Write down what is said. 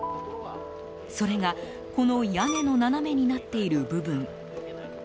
それが、この屋根の斜めになっている部分。